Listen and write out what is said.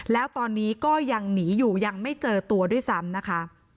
แล้วตอนนี้ก็ยังหนีอยู่ยังไม่เจอตัวด้วยซ้ำนะคะ